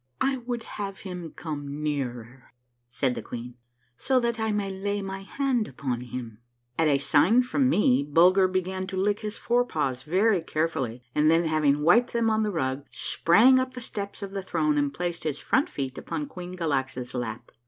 " I would have him come nearer," said the queen, " so that I may lay my hand upon him." At a sign from me Bulger began to lick his fore paws very 58 A MARVELLOUS UNDERGROUND JOURNEY carefully, and then having wiped them on the rug, sprang up the steps of the throne and placed his front feet upon Queen Galaxa's lap.